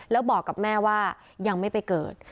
แล้วบอกกับแม่ว่ายังไม่ไปเกิด